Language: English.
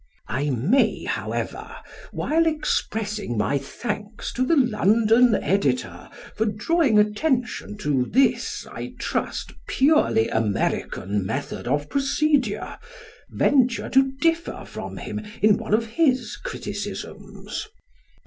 I may, however, while expressing my thanks to the "London Editor" for drawing my attention to this, I trust, purely American method of procedure, venture to differ from him in one of his criticisms.